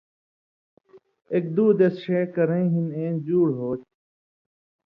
ایک دُو دیس ݜے کرَیں ہِن اَیں جُوڑ ہوتھی۔